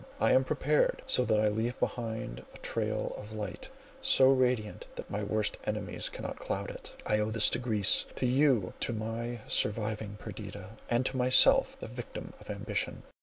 I am prepared, so that I leave behind a trail of light so radiant, that my worst enemies cannot cloud it. I owe this to Greece, to you, to my surviving Perdita, and to myself, the victim of ambition."